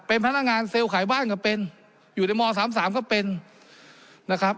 เป็นพนักงานเซลล์ขายบ้านก็เป็นอยู่ในม๓๓ก็เป็นนะครับ